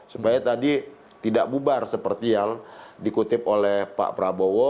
supaya tadi tidak bubar seperti yang dikutip oleh pak prabowo